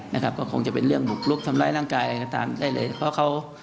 นะครับก็คงจะเป็นเรื่องบุกรุ๊บทำไรร่างกายตามใดเลยเพราะเขา